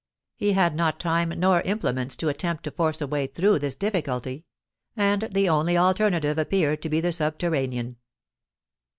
He had not time nor implements to attempt to force a way through this difficulty; and the only alternative appeared to be the subterranean.